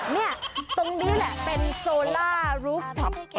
เนี่ยตรงนี้แหละเป็นโซล่ารูฟท็อป